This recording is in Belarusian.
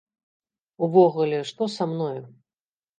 Увогуле, што са мною?